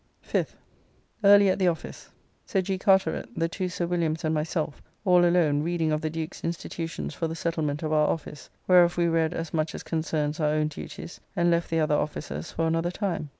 5th. Early at the office. Sir G. Carteret, the two Sir Williams and myself all alone reading of the Duke's institutions for the settlement of our office, whereof we read as much as concerns our own duties, and left the other officers for another time.